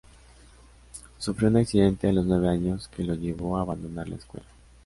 Sufrió un accidente a los nueve años que lo llevó a abandonar la escuela.